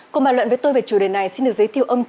cùng bàn luận với tôi về chủ đề này xin được giấy tiêu âm